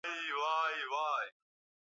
aliyefuatwa na Daudi na mwanae Suleimani